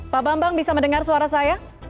pak bambang bisa mendengar suara saya